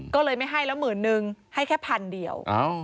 ก็เลยไม่ให้แล้วหมื่นนึงให้แค่พันเดียว